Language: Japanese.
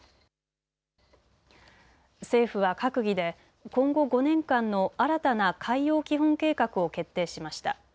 政府は閣議で今後５年間の新たな海洋基本計画を決定しました。